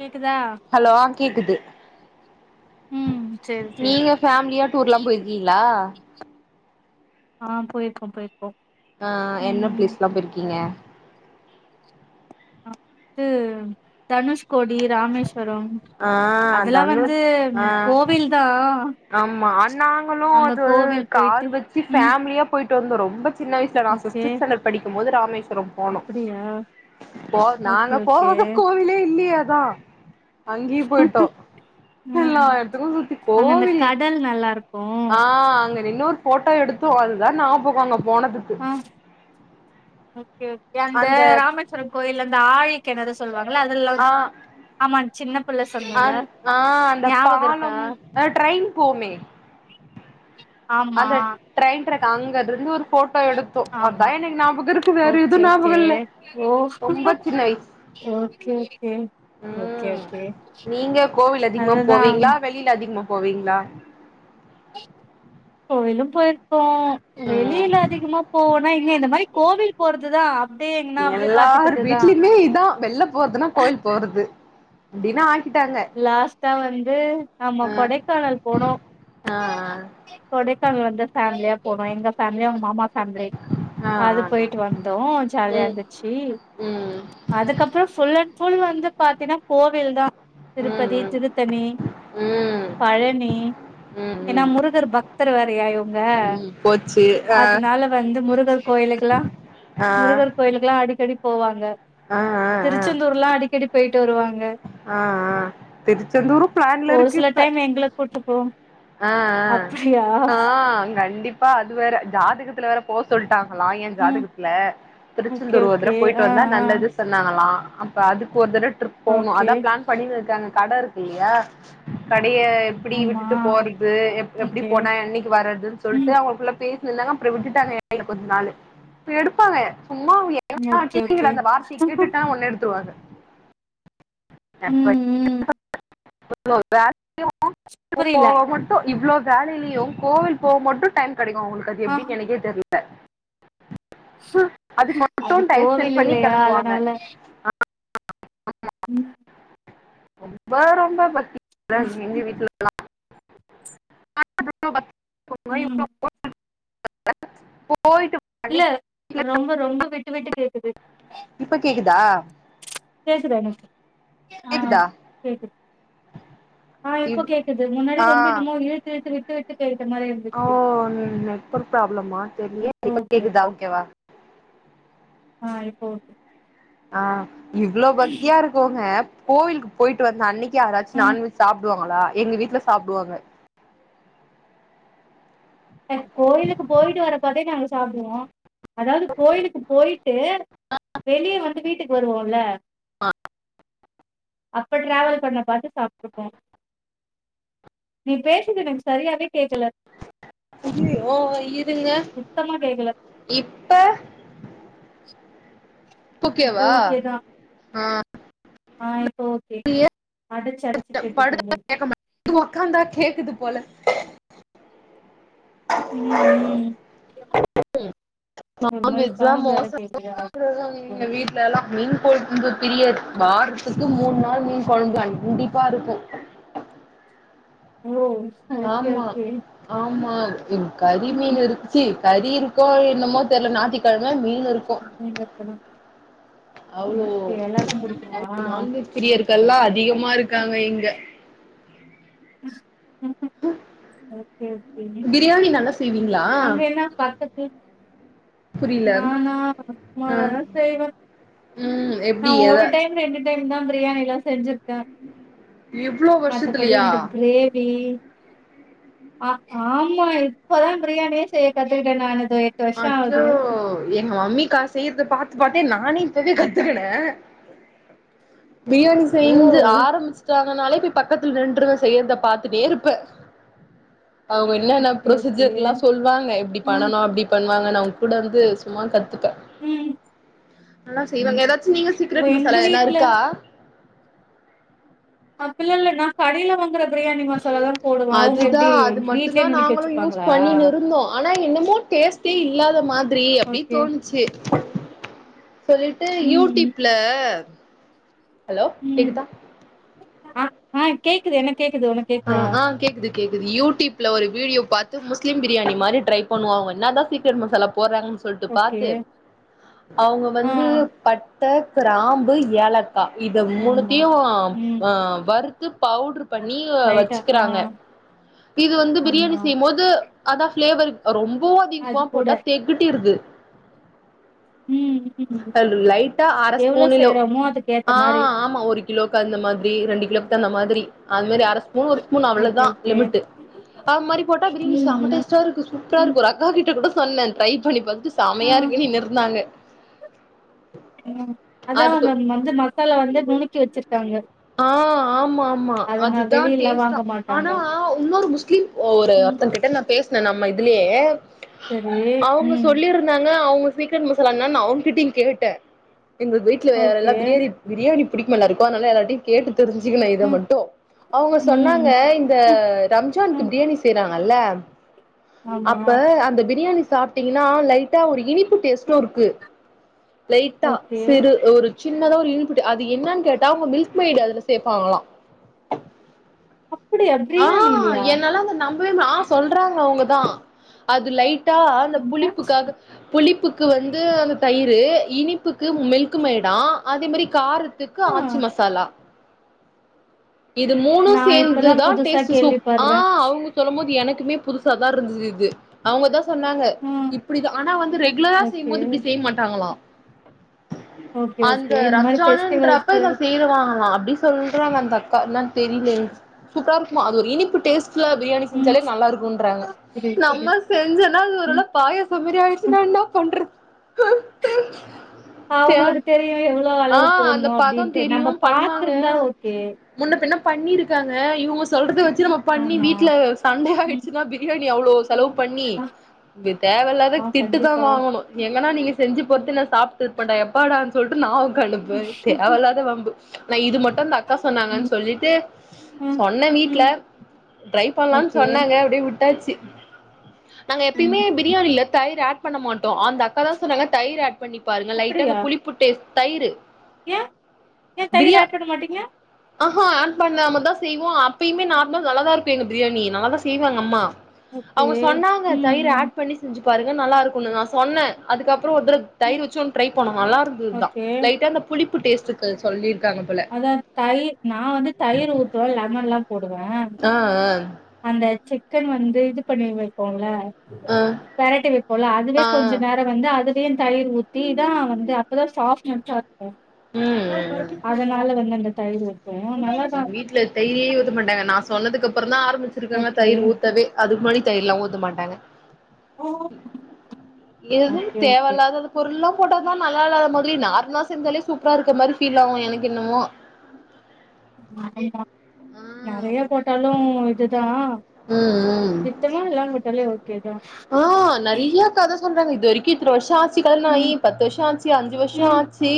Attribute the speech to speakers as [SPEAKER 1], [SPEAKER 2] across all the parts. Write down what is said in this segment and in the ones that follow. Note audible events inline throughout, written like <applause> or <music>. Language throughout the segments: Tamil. [SPEAKER 1] கேக்குதா
[SPEAKER 2] ஹலோ கேக்குது
[SPEAKER 1] ம் சேரி சேரி
[SPEAKER 2] நீங்க ஃபேமிலியா டூர்லா போயிருக்கீங்களா
[SPEAKER 1] ஆ போயிர்க்கோ போயிர்க்கோ
[SPEAKER 2] என்ன ப்ளேஸ்லா போயிருக்கீங்க
[SPEAKER 1] தூ தனுஷ் கொடி ராமேஸ்வரம்
[SPEAKER 2] ஆ
[SPEAKER 1] அதெல்லா
[SPEAKER 2] தனு
[SPEAKER 1] வந்து
[SPEAKER 2] ஆ
[SPEAKER 1] கோவில்தா
[SPEAKER 2] ஆமா அ நாங்களு அது ஒரு
[SPEAKER 1] போயிட்டு
[SPEAKER 2] காரு வெச்சி
[SPEAKER 1] ம்
[SPEAKER 2] ஃபேமிலியா போயிட்டு வந்தோ ரொம்ப சின்ன வயசல நா
[SPEAKER 1] ஓகே
[SPEAKER 2] ஃபிப்த்து ஸ்டாண்டட் படிக்கும் போது ராமேஸ்வரம் போனு
[SPEAKER 1] அப்டியா
[SPEAKER 2] ப்போ
[SPEAKER 1] ஓகே
[SPEAKER 2] நாங்க
[SPEAKER 1] ஓகே
[SPEAKER 2] போவாத கோவிலே இல்லியே அதா அங்கியு போய்ட்டோ எல்லா எடத்துக்கு சுத்தி கோவில்
[SPEAKER 1] த நல்லா இருக்
[SPEAKER 2] ஆ அங்க நின்னொர் ஃபோட்டோ எடுத்தோ அதுதா நாபகோ அங்க போனதுக்
[SPEAKER 1] ஆ ஓகே ஓகே அந்த ராமேஸ்வரன் கோயில் அந்த ஆழி கெணறு சொல்லுவாங்களா அதெல்லா
[SPEAKER 2] ஆ
[SPEAKER 1] ஆமா சின்ன பிள்ள சொன்னல்ல
[SPEAKER 2] அந் ஆ அந்த
[SPEAKER 1] ஞாபக இருக்கா
[SPEAKER 2] பாலம் அ ட்ரெயின் போமே
[SPEAKER 1] ஆமா
[SPEAKER 2] அந்த ட்ரெயின் ட்ரக் அங்க இருந்து ஒரு போட்டோ எடு போ அ
[SPEAKER 1] ஆமா
[SPEAKER 2] பயனிங் ஞாபக இருக்கு வேற எது
[SPEAKER 1] ஓகே ஓகே
[SPEAKER 2] ஞாபக இல்ல
[SPEAKER 1] ஓ
[SPEAKER 2] ரொம்ப சின்ன வய்ஸ்
[SPEAKER 1] ஓகே ஓகே ஓகே ஓகே அதுதா
[SPEAKER 2] கீழ அதிகமா போவீங்களா
[SPEAKER 1] கோயிலு போயிருக்கோ
[SPEAKER 2] ம்
[SPEAKER 1] வெளியில அதிகமா போ ன இங்க இந்த மாரி கோவில் போறதுதா அப்டியே எங்கன்னா அப்டியே
[SPEAKER 2] எல்லார்
[SPEAKER 1] பாத்துக்கறதுதா
[SPEAKER 2] வீட்லயுமே இதா வெள்ள போற்துன்னா கோயில் போறது அப்படின்னா
[SPEAKER 1] லாஸ்டா வந்து ஆமா
[SPEAKER 2] ஆ
[SPEAKER 1] கொடைக்கானல் போனோ
[SPEAKER 2] ஆ
[SPEAKER 1] கொடைக்கானல் வந்து ஃபேமிலியா போனோ எங்க ஃபேமிலியு அவங்க மாமா சந்தை
[SPEAKER 2] ஆ ஆ
[SPEAKER 1] அது
[SPEAKER 2] ஆ
[SPEAKER 1] போயிட்டு வந்தோ ஜாலியா
[SPEAKER 2] ம்
[SPEAKER 1] இருந்து சி
[SPEAKER 2] ம்
[SPEAKER 1] அதுக்கப்புறம் ஃபுல் அண் ஃபுல் வந்து பாத்தீன்னா கோவில் தா திருப்பதி
[SPEAKER 2] ம் ம்
[SPEAKER 1] திருத்தணி பழனி
[SPEAKER 2] ம் ம்
[SPEAKER 1] ஏன்னா
[SPEAKER 2] ம்
[SPEAKER 1] முருகர் பக்தர் வேறயா இவுங்க
[SPEAKER 2] ம் போச்சு ஆ
[SPEAKER 1] அதனால வந்து முருகர் கோயிலுக்கெல்லா
[SPEAKER 2] ஆ
[SPEAKER 1] முருகர் கோயிலுக்கெல்லா அடிக்கடி போவாங்க
[SPEAKER 2] ஆ ஆ
[SPEAKER 1] திருச்செந்தூர்லா அடிக்கடி போயிட்டு வருவாங்க
[SPEAKER 2] அ அ திருச்செந்தூரு
[SPEAKER 1] ஒரு சில டைம்மு எங்கள கூட்டுப்போவாங்
[SPEAKER 2] அ அ ஆ கண்டிப்பா அது வேற ஜாதகத்துல வேற போ சொல்ட்டாங்களா எ
[SPEAKER 1] ம்
[SPEAKER 2] ஜாதகத்துல
[SPEAKER 1] ஓகே
[SPEAKER 2] திருச்செந்தூர் ஒரு தட
[SPEAKER 1] ஓகே
[SPEAKER 2] போயிட்டு
[SPEAKER 1] ஆ
[SPEAKER 2] வந்தா
[SPEAKER 1] ஆ
[SPEAKER 2] நல்லது சொன்னாங்கலா அப்ப அதுக்கு ஒரு தட ட்ரிப் போணு
[SPEAKER 1] ஓகே
[SPEAKER 2] அதா பிளான் பணிகள் காண கட இருக்கு இல்லையா கடைய எப்படி
[SPEAKER 1] ஆமா
[SPEAKER 2] விட்டுட்டு போறது எப் எப்படி
[SPEAKER 1] ஓகே
[SPEAKER 2] போனா என்னைக்கு வர்றதுன் சொல்ட்டு
[SPEAKER 1] ம்
[SPEAKER 2] அவங்களுக்குள்ள பேசந்தாங்க அப்றோ விட்டுட்டாங்க எடையில கொஞ்ச நாளு எடுப்பாங்க சும்மா எ <inaudible>
[SPEAKER 1] ஓகே
[SPEAKER 2] டி வி
[SPEAKER 1] ஓகே
[SPEAKER 2] ல அந்த வார்த்தை கேட்டுட்டா ஒன்னே எடுத்துருவாங்க எப்ப
[SPEAKER 1] ம் ம்
[SPEAKER 2] <inaudible> ப்ரோ
[SPEAKER 1] புரியல
[SPEAKER 2] இவ்ளோ வேலையிலயு கோவில் போ மட்டு டைம் கெடைக்கு அவுங்களுக்கு அது
[SPEAKER 1] ஆ
[SPEAKER 2] எப்டின்னு என்னக்கே தெர்ல அ அதுக்கு மட்டு
[SPEAKER 1] அது
[SPEAKER 2] டைம் ஸ்பென்ட்
[SPEAKER 1] கோவில்
[SPEAKER 2] பண்ணி
[SPEAKER 1] இல்லையா
[SPEAKER 2] கெளம்புவாங்க
[SPEAKER 1] அதனால ம்
[SPEAKER 2] ரொம்ப ரொம்ப பக்தி <unintelligible> எங்க வீட்லல்லா
[SPEAKER 1] ம்
[SPEAKER 2] <inaudible> போயிட்டு
[SPEAKER 1] இல்ல ரொம்ப ரொம்ப விட்டு விட்டு கேக்குது
[SPEAKER 2] இப்ப கேக்குதா
[SPEAKER 1] கேக்குதாங்க
[SPEAKER 2] கேக்குதா
[SPEAKER 1] ஆ இப்ப
[SPEAKER 2] இவ்
[SPEAKER 1] கேக்குது முன்னாடி
[SPEAKER 2] ஆ
[SPEAKER 1] ரொம்ப என்னமோ இழுத்து இழுத்து விட்டு விட்டு கேக்குற மாரி இரு
[SPEAKER 2] ஓ நெட்ஒர்க் ப்ராப்ளமா தெரிலியே இப்ப கேக்குதா ஓகே வா
[SPEAKER 1] ஆ இப்போ ஓகே
[SPEAKER 2] ஆ இவ்ளோ பக்தியா இருக் கோங்க கோவிலுக்கு போயிட்டு வந்த அன்னைக்கி யாராச்சு
[SPEAKER 1] ஆ
[SPEAKER 2] நான்வெஜ் சாப்டுவாங்களா எங்க வீட்ல சாப்டுவாங்க
[SPEAKER 1] ஏ கோயிலுக்கு போயிட்டு வரப்பவே நாங்க சாப்டுவோ அதாவ்து கோயிலுக்கு போயிட்டு வெளிய வந்து வீட்டுக்கு வருவோல்ல அப்ப ட்ராவல் பண்ண பாத்து சாப்ட்டுப்போ நீ பேசுற்து எனக்கு சரியாவே கேக்கல
[SPEAKER 2] ஐயியோ இருங்க
[SPEAKER 1] சுத்தமா கேக்கல
[SPEAKER 2] இப்ப
[SPEAKER 1] இப்ப
[SPEAKER 2] ஓகேவா
[SPEAKER 1] ஓகேதா
[SPEAKER 2] ஆ
[SPEAKER 1] ஆ ஓகே அடச்சி அடச்சி கேட்டுட்டு <unintelligible>
[SPEAKER 2] இது ஒக்காந்தா கேக்குது போல
[SPEAKER 1] ம் ம் ஒரு மாரி
[SPEAKER 2] நான்வெஜ்லா
[SPEAKER 1] சவுண்ட் வேற கேக்குது
[SPEAKER 2] <inaudible> எங்க வீட் நாலா மீன் கொழும்பு பிரியர் வாரத்துக்கு மூண் நாள் மீன் கொழும்பு கண்டிப்பா இருக்கு
[SPEAKER 1] மோம்ஸ்
[SPEAKER 2] ஆம்மா ஆம்மா கறி மீன் இருன்ச்சி கறி இருக்கோ என்னமோ தெர்ல நாத்திக்கெழம மீன் மீனுருக்கு அவ்ளோ
[SPEAKER 1] ஓகே எல்லாருக்கும் புடிக்குமா
[SPEAKER 2] அவ்ளோ நான்வெஜ் பிரியர்கள்லா அதிகமா இருக்காங்க இங்க
[SPEAKER 1] ம் ம்கூம் ஓகே ஓகே
[SPEAKER 2] வீ நல்லா செய்வீங்ளா
[SPEAKER 1] அங்க என்ன பக்கத்து
[SPEAKER 2] புரில
[SPEAKER 1] நானா
[SPEAKER 2] ஆ
[SPEAKER 1] சுமாறாதா செய்வே
[SPEAKER 2] ம் எப்டி எதா
[SPEAKER 1] ரெண்டு டைம்தா பிரியாணில்லா செஞ்சிருக்க
[SPEAKER 2] இவ்ளோ
[SPEAKER 1] மத்தபடி
[SPEAKER 2] வருஷத்துலயா
[SPEAKER 1] இந்த கிரேவி ஆ ஆம்மா இப்பதா பிரியாணியே செய்ய கத்துக்கிட்டே நானு இதோ வருஷோ
[SPEAKER 2] அச்சோ
[SPEAKER 1] ஆவுது
[SPEAKER 2] எங் மம்மிக்கா செய்றது பாத்து பாத்தே நானே இப்பவே கத்துக்குனே பிரியாணி
[SPEAKER 1] ஓ
[SPEAKER 2] செய்ந்து
[SPEAKER 1] ஓகே
[SPEAKER 2] ஆரம்பிச்சுட்டாங்கனாலே போய் பக்கத்துல நின்றுவ செய்யறத பாத்துட்டே இருப்ப அவுங்க என்னன்ன
[SPEAKER 1] ஓகே
[SPEAKER 2] ப்ரொசீஜர்ல்லா சொல்வாங்க எப்டி
[SPEAKER 1] ஆ
[SPEAKER 2] பண்ணனும் அப்டி பண்வாங்க நா அவுங் கூட இருந்து சும்மா கத்துப்பே
[SPEAKER 1] ம்
[SPEAKER 2] நல்லா செய்வாங்க
[SPEAKER 1] ம்
[SPEAKER 2] எதாச்சு நீங்க
[SPEAKER 1] ஓ
[SPEAKER 2] சீக்ரட்
[SPEAKER 1] எங்க
[SPEAKER 2] மசாலா எதனா
[SPEAKER 1] வீட்ல
[SPEAKER 2] இருக்கா
[SPEAKER 1] அப்பில்லா இல்ல நா கடைல வாங்குறதா பிரியாணி மசாலாதா போடுவ அவுங்க
[SPEAKER 2] அதுதா
[SPEAKER 1] எப்டி
[SPEAKER 2] அது மட்டுந்தா
[SPEAKER 1] வீட்லே நுனுக்கி
[SPEAKER 2] நாங்களு யூஸ்
[SPEAKER 1] வெச்சிப்பாங்களா
[SPEAKER 2] பண்ணினு இருந்தோ ஆனா என்னமோ டேஸ்டே இல்லாத மாத்ரி அப்டி
[SPEAKER 1] ஓகே
[SPEAKER 2] தோணுச்சு சொல்லிட்டு
[SPEAKER 1] ம் ம்
[SPEAKER 2] யூடிப்ல ஹலோ
[SPEAKER 1] ம்
[SPEAKER 2] கேக்குதா
[SPEAKER 1] ஆ ஆ கேக்குது எனக் கேக்குது உனக்
[SPEAKER 2] ஆ ஆ கேக்குது கேக்குது யூடிப்ல ஒரு வீடியோ பாத்து முஸ்லீம் பிரியாணி மாரி ட்ரை பண்ணுவோ அவுங்க என்னாதா சீக்ரட் மசாலா போட்றாங்கன் சொல்ட்டு
[SPEAKER 1] ஓகே
[SPEAKER 2] பாத்து அவுங்க
[SPEAKER 1] ஆ
[SPEAKER 2] வந்து பட்ட கிராம்பு ஏலக் பா இத
[SPEAKER 1] ஆமா
[SPEAKER 2] மூணுத்தியு
[SPEAKER 1] ம்
[SPEAKER 2] ஆ வறுத்து பவுட்ரு பண்ணி து
[SPEAKER 1] லைட்டா ஆ
[SPEAKER 2] வச்சுக்கிறாங்க இது வந்து பிரியாணி
[SPEAKER 1] ஆமா
[SPEAKER 2] செய்யும்போது அதா ஃப்ளேவரு ரொம்பவு
[SPEAKER 1] அது
[SPEAKER 2] அதிகமா
[SPEAKER 1] கூட
[SPEAKER 2] போட்டா தெகட்டிருது
[SPEAKER 1] ம் ம்
[SPEAKER 2] அதுல லைட்டா அர
[SPEAKER 1] எவ்ளோ
[SPEAKER 2] ஸ்பூனு இல்ல
[SPEAKER 1] செய்றோமோ அதுக்கு ஏத்த
[SPEAKER 2] ஆ
[SPEAKER 1] மாரி
[SPEAKER 2] ஆமா ஒரு கிலோக்கு அந்த மாத்ரி ரெண்டு கிலோக்கு அந்த மாத்ரி அது மாரி அர மூனு ஒரு ஸ்பூனு
[SPEAKER 1] ஓகே
[SPEAKER 2] அவ்ளதா
[SPEAKER 1] ஓகே
[SPEAKER 2] லிமட்டு அ மாரி போட்டா பிரியாணி
[SPEAKER 1] ம்
[SPEAKER 2] செம
[SPEAKER 1] ம்
[SPEAKER 2] டேஸ்டா இருக்கு சூப்பரா
[SPEAKER 1] ம்
[SPEAKER 2] இருக்கு ஒரு அக்கா கிட்ட கூட சொன்னே ட்ரை பண்ணி பாத்துட்டு
[SPEAKER 1] ஆ
[SPEAKER 2] செமையா இருக்குன்னு இருந்தாங்க
[SPEAKER 1] ம் அதா
[SPEAKER 2] அதுக்கு
[SPEAKER 1] அவுங்க வந்து மசாலா வந்து நுணுக்கி வச்சிருக்காங்க
[SPEAKER 2] ஆ ஆமா ஆமா
[SPEAKER 1] அத நா
[SPEAKER 2] அதுதா
[SPEAKER 1] வெளியல்லா
[SPEAKER 2] டேஸ்டா
[SPEAKER 1] வாங்க மாட்டாங்க
[SPEAKER 2] ஆனா உன்னொரு முஸ்லீம் ஒரு
[SPEAKER 1] ம்
[SPEAKER 2] ஒர்த்தன் கிட்ட பேஸ்ன நம்ம இதுலே
[SPEAKER 1] சரி
[SPEAKER 2] அவுங்க
[SPEAKER 1] ம்
[SPEAKER 2] சொல்லி இருக் என்னங்க அவுங்க சீக்ரட் மசாலா என்னன் அவுங் கிட்டயு கேட்டே எங்க வீட்ல வேற எல்லா
[SPEAKER 1] ஓகே
[SPEAKER 2] பிரியாணி பிரியாணி பிடிக்குமா எல்லாருக்கு அனால எல்லார்கிட்டயு கேட்டு தெரிஞ்சுக்கணு இத
[SPEAKER 1] ம்
[SPEAKER 2] மட்டு அவுங்க
[SPEAKER 1] ம்
[SPEAKER 2] சொன்னாங்க
[SPEAKER 1] ம்
[SPEAKER 2] இந்த
[SPEAKER 1] ம்
[SPEAKER 2] ரம்ஜான்க்கு
[SPEAKER 1] ம்.
[SPEAKER 2] பிரியாணி செய்றா நல்ல
[SPEAKER 1] ஆமா
[SPEAKER 2] அப்ப அந்த பிரியாணி சாப்ட்டீங்கன்னா லைட்டா ஒரு இனிப் பு டேஸ்ட்டு
[SPEAKER 1] ம்
[SPEAKER 2] இருக்கு லைட்டா
[SPEAKER 1] ஓகே
[SPEAKER 2] சிறு ஒரு சின்னதா ஒரு இனிப்பு டே அது என்னன் கேட்டா அவங்க மில்க் மெய்டு அதுல சேப்பாங்களா
[SPEAKER 1] அப்படியா
[SPEAKER 2] ஆ
[SPEAKER 1] பிரியாணிலயா
[SPEAKER 2] என்னால அத நம் பயும் ஆ சொல்றாங்க அவுங்க தா அது லைட்டா அந்த
[SPEAKER 1] ம்.
[SPEAKER 2] புளிப்புக்காக புளிப்புக்கு வந்து அந்த தயிரு இனிப்புக்கு மில்க்கு மேடா அதே மாரி கார துக்கு
[SPEAKER 1] ஆ
[SPEAKER 2] ஆச்சி மசாலா இது மூணு
[SPEAKER 1] நா இப்பதா
[SPEAKER 2] சேந்துதா
[SPEAKER 1] புதுசா
[SPEAKER 2] டேஸ்டு சூப் ஆ
[SPEAKER 1] கேள்விப்பட்றே
[SPEAKER 2] அவுங்க சொல்லும் போது எனக்குமே புதுசா தா இருந்தது இது அவுங்கதா சொன்னாங்க
[SPEAKER 1] ம்
[SPEAKER 2] இப்டிதா ஆனா வந்து ரெகுலரா
[SPEAKER 1] ஓகே
[SPEAKER 2] செய்யும்போது இப்டி செய்ய மாட்டாங்களா
[SPEAKER 1] ஓகே
[SPEAKER 2] அந்த
[SPEAKER 1] ஓகே இந்த மாரி
[SPEAKER 2] ரம்ஜானுன்றப்ப
[SPEAKER 1] ஃபெஸ்டிவல்ஸு
[SPEAKER 2] இத சேருவாங்லா அப்டி சொல்றாங்க அந்த அக்கா என்னான் தெரில எனக்கு சூப்பரா இருக்குமா அது ஒரு இனிப்பு டேஸ் சிம்பிளா பிரியாணி
[SPEAKER 1] ம்
[SPEAKER 2] செஞ்சாலே நல்லா இருக்குன்றாங்க
[SPEAKER 1] புரியுது
[SPEAKER 2] நம்ம
[SPEAKER 1] புரியுது
[SPEAKER 2] செஞ்சோன்னா அது ஒரு வேள
[SPEAKER 1] ம்
[SPEAKER 2] பாயசோ மாரி ஆயிடுச்சுன்னா என்ன பண்றது
[SPEAKER 1] இப்போ
[SPEAKER 2] தே
[SPEAKER 1] அவங்களுக்கு தெரியு எவ்ளோ
[SPEAKER 2] ஆ
[SPEAKER 1] அளவு
[SPEAKER 2] அந்த
[SPEAKER 1] போட்ணு
[SPEAKER 2] பதம்
[SPEAKER 1] அப்டின்ட்டு நம்ம
[SPEAKER 2] தெரியு பண்ணுவாங்க
[SPEAKER 1] பாத்துருந்தா ஓகே
[SPEAKER 2] முன்ன பின்ன பண்ணிருக்காங்க இவங்க சொல்றத வச்சு நம்ம பண்ணி
[SPEAKER 1] ஆமா
[SPEAKER 2] வீட்ல சண்ட
[SPEAKER 1] ம்
[SPEAKER 2] ஆயுடுச்சுனா பின் பிரியாணி அவ்ளோ செலவு பண்ணி
[SPEAKER 1] ஆ
[SPEAKER 2] இது தேவ இல்லாத
[SPEAKER 1] ஆ,
[SPEAKER 2] திட்டு தா
[SPEAKER 1] கண்டிப்பா
[SPEAKER 2] வாங்கணு எங்கன்னா நீங்க செஞ்சு பொறுத்து நா சாப்ட்டு இருப்பேண்டா எப்பாடான் சொல்ட்டு நா உக்கானுப்பே தேவ இல்லாத வம்பு நா இது மட்டு அந்த அக்கா சொன்னாங்கன்
[SPEAKER 1] ம்
[SPEAKER 2] லிட்டு
[SPEAKER 1] ம்
[SPEAKER 2] சொன்னே வீட்ல
[SPEAKER 1] ம்
[SPEAKER 2] ட்ரை பண்லான்
[SPEAKER 1] ஓகே
[SPEAKER 2] சொன்னாங்க ட அப்டியே விட்டாச்சு நாங்க எப்பயுமே
[SPEAKER 1] ம்
[SPEAKER 2] பிரியாணில தயிர் அட் பண்ண மாட்டோ அந்த அக்கா தா சொன்னாங்க தயிர் ஆட் பண்ணி பாருங்க லைட்டா அந்த
[SPEAKER 1] அப்டியா
[SPEAKER 2] புளிப்பு டேஸ்ட் தயிரு
[SPEAKER 1] ஏ ஏ தயிர்
[SPEAKER 2] பிரியா
[SPEAKER 1] ஆட் பண்ண மாட்டீங்க
[SPEAKER 2] ஆஹா ஆட் பண்ணாமதா செய்வோ அப்பயுமே நார்மல் நல்லாதா இருக்கு எங்க பிரியாணி நல்லாதா செய்வாங்க அம்மா
[SPEAKER 1] ஓகே
[SPEAKER 2] அவுங்க சொன்னாங்க
[SPEAKER 1] ம்
[SPEAKER 2] தயிர்
[SPEAKER 1] ம்
[SPEAKER 2] ஆட் பண்ணி செஞ்சு பாருங்க நல்லா இருக்குனு நா சொன்னே அதுக்கப்றோ ஒரு தர
[SPEAKER 1] ம்
[SPEAKER 2] தயிர் வச்சும் ட்ரை பண்ணோ நல்லாருந்ததுதா
[SPEAKER 1] ஓகே
[SPEAKER 2] லைட்டா அந்த புளிப்பு டேஸ்டுக்கு சொல்லிருக்காங்க போல
[SPEAKER 1] அதா தயிர் நா வந்து தயிர் ஊத்துவே லெமன்லா போடுவ
[SPEAKER 2] ஆ அ
[SPEAKER 1] அந்த சிக்கன் வந்து இது பண்ணி வைப்போம்ல
[SPEAKER 2] ஆ
[SPEAKER 1] பெரட்டி வைப்போல அதுவே
[SPEAKER 2] ஆ
[SPEAKER 1] கொஞ்சொ நேர அத வந்து அதுலயு தயிர் ஊத்தி தா வந்து அப்ப தா ஸாஃப்ட்னசா இருக்கு
[SPEAKER 2] ம் ம்
[SPEAKER 1] துல வந்து தயிர் வே
[SPEAKER 2] எங்க வீட்ல தயிரே ஊத்த மாட்டாங்க நா சொன்னதுக்கு அப்பறந்தா ஆரம்பிச்சிருக்காங்க
[SPEAKER 1] ஓகே
[SPEAKER 2] தயிர் ஊத்தவே அதுக்கு முன்னாடி தயிர்லா ஊத்த மாட்டாங்க
[SPEAKER 1] ஓ
[SPEAKER 2] எது தேவயில்லாதது பொருள்லா போட்டா தா நல்லா இல்லாத மாதிரி நார்மலா செஞ்சாலே சூப்பரா இருக்க மாரி ஃபீல் ஆகு எனக்கு என்னமோ
[SPEAKER 1] <unintelligible> நெறைய
[SPEAKER 2] ஆ
[SPEAKER 1] போட்டாலு இதுதா
[SPEAKER 2] ம் ம்
[SPEAKER 1] திட்டமா எல்லாமே போட்டாலே ஓ கேதா
[SPEAKER 2] ஆ நெறைய கத சொல்றாங்க இது வரைக்கு இத்தன வருஷொ ஆ ச்சு கல்யாணாயி
[SPEAKER 1] ம்
[SPEAKER 2] பத்து வருஷோ ஆச்சு அஞ்சு வருஷோ
[SPEAKER 1] ம்
[SPEAKER 2] ஆச்சு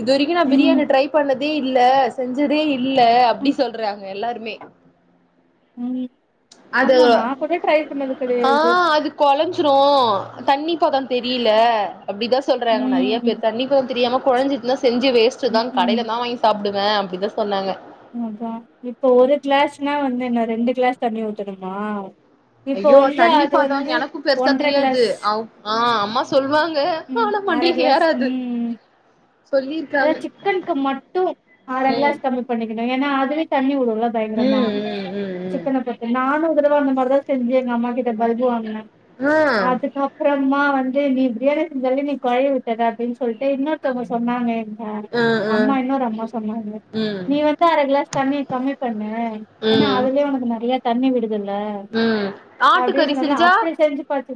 [SPEAKER 2] இது வரைக்கு நா
[SPEAKER 1] ம்
[SPEAKER 2] பிரியாணி ட்ரை பண்ண தே இல்ல செஞ்சதே இல்ல அப்டி
[SPEAKER 1] ம்
[SPEAKER 2] சொல்றாங்க எல்லாருமே
[SPEAKER 1] ம்
[SPEAKER 2] அது
[SPEAKER 1] ஆமா நா கூட ட்ரை பண்ணது
[SPEAKER 2] ஆ
[SPEAKER 1] கெடயாது
[SPEAKER 2] அது கொழஞ்சிரு தண்ணிப்பதோ தெரீல அப்டித்தா சொல்றாங்க நெறையா
[SPEAKER 1] ம்
[SPEAKER 2] பேர் தண்ணி பதோ தெரியாம கொழஞ்சுட்னா செஞ்சு வேஸ்ட் தான்
[SPEAKER 1] ம்ஹூம்
[SPEAKER 2] கடைைல நா வாங்கி சாப்டுவே அப்டிதா சொன்னாங்க
[SPEAKER 1] அதா இப்போ ஒரு கிளாஸ்னா வந்து என்ன ரெண்டு கிளாஸ் தண்ணி ஊத்தணுமா இப்போ
[SPEAKER 2] ஐயோ
[SPEAKER 1] வந்து
[SPEAKER 2] தண்ணி
[SPEAKER 1] அது
[SPEAKER 2] பதோ
[SPEAKER 1] வந்து
[SPEAKER 2] எனக்கும் பெருசா
[SPEAKER 1] ஒன்ற
[SPEAKER 2] தெரியாது
[SPEAKER 1] கிளாஸ்
[SPEAKER 2] அவ் ஆ அம்மா சொல்வாங்க
[SPEAKER 1] ம்
[SPEAKER 2] ஆனா
[SPEAKER 1] அர
[SPEAKER 2] மண்டைல
[SPEAKER 1] கிளாஸ்
[SPEAKER 2] ஏறாது
[SPEAKER 1] ம் அதா
[SPEAKER 2] சொல்லிருக்காங்க
[SPEAKER 1] சிக்கனுக்கு மட்டும் அர
[SPEAKER 2] ம்
[SPEAKER 1] கிளாஸ் கம்மி பண்ணிக்கணு ஏன்னா அதுவே தண்ணி வுடுல
[SPEAKER 2] ம்
[SPEAKER 1] பயங்கரமா
[SPEAKER 2] ம்
[SPEAKER 1] சிக்கன போட்டு நானு ஒரு தடவ அந்த மாரிதா செஞ்சு எங்க அம்மா கிட்ட பல்பு வாங்குனே
[SPEAKER 2] ம் ம் ஆ
[SPEAKER 1] அதுக்கப் அப்புறம்மா வந்து நீ பிரியாணி செஞ்சாலே நீ கொழைய விட்டற அப்டின் சொல்ட்டு இன்னொருத்தவ்ங்க சொன்னாங்க எ அ
[SPEAKER 2] ம்
[SPEAKER 1] அம்மா இன்னொரு அம்மா சொன்னாங்க
[SPEAKER 2] ம் ம்
[SPEAKER 1] நீ வந்து அர கிளாஸ் தண்ணிய கம்மி பண்ணு ஏனா
[SPEAKER 2] ம்
[SPEAKER 1] அதுலே உனக்கு நெறையா தண்ணி விடுதுல்ல
[SPEAKER 2] ம்
[SPEAKER 1] அப்டின்னு
[SPEAKER 2] ஆட்டுக்கறி
[SPEAKER 1] சொன்னாலு
[SPEAKER 2] செஞ்சா
[SPEAKER 1] அப்டி செஞ்சு பாத்து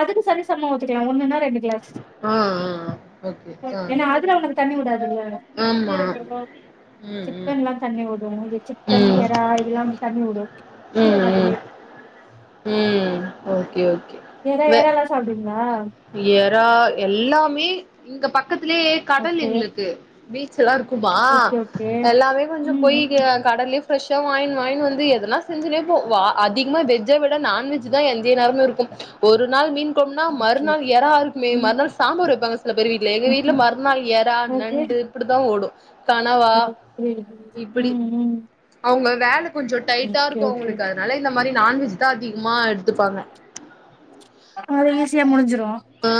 [SPEAKER 1] அதுக்கு சரிசமோ ஊத்திக்கலா ஒன்னுனா ரெண்டு கிளாஸ்
[SPEAKER 2] ஆ ஆ அ ஓகே ஆ
[SPEAKER 1] ஏனா அதுல உங்களுக் தண்ணி விடாதுல்ல
[SPEAKER 2] ஆமா
[SPEAKER 1] சீரக சம்பா
[SPEAKER 2] ம் ம்
[SPEAKER 1] சிக்கன்லா தண்ணி வுடு இ
[SPEAKER 2] ம்
[SPEAKER 1] சிக்கன் எறா இதெல்லா தண்ணி வுடு
[SPEAKER 2] ம் ம் ம் ஓகே ஓகே
[SPEAKER 1] எறா
[SPEAKER 2] வே
[SPEAKER 1] எறால்லா சாப்டுவீங்களா
[SPEAKER 2] எறா எல்லாமே இங்க பக்கத்துலே கடல்
[SPEAKER 1] ஓகே
[SPEAKER 2] எங்களுக்கு பீச்சல்லா இருக்குபா
[SPEAKER 1] ஓகே ஓகே
[SPEAKER 2] எல்லாமே கொஞ்சொம்
[SPEAKER 1] ம் ம்
[SPEAKER 2] போய்க்கியா கடலே ஃபிரஷா வாய்னு வாய்னு வந்து எதுனா செஞ்சினே போ வா அதிகமா வெஜ் ஜ விட நான்வெஜ் தா எஞ்சே நேரமு இருக்கும் ஒரு நாள் மீன் க்கும்னா
[SPEAKER 1] ஓகே
[SPEAKER 2] மறுநாள்
[SPEAKER 1] ஓகே
[SPEAKER 2] எறா இருக்குமே
[SPEAKER 1] ம்
[SPEAKER 2] மறுநாள் சம்பார் வைப்பாங்க சில பேர் வீட்ல எங்க வீட்ல
[SPEAKER 1] ம்
[SPEAKER 2] மறுநாள் எறா
[SPEAKER 1] ஓகே
[SPEAKER 2] நண்டு இப்டித்தா ஓடு கனவா
[SPEAKER 1] <unintelligible>
[SPEAKER 2] இப்டி
[SPEAKER 1] ம் ம்
[SPEAKER 2] அவங்க வேல கொஞ்சொ டைட்டா
[SPEAKER 1] ஓகே
[SPEAKER 2] இருக்கூ
[SPEAKER 1] ஓகே
[SPEAKER 2] அவங்களுக்கு அதனால இந்த மாரி நான்வெஜ் தா அதிகமா எடுத்துப்பாங்க
[SPEAKER 1] அது ஈஸியா முடிஞ்சிரூ
[SPEAKER 2] ஆ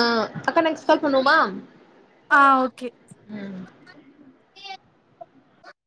[SPEAKER 2] அக்கா நெக்ஸ்ட் கால் பண்ணுவேமா
[SPEAKER 1] ஆ ஓகே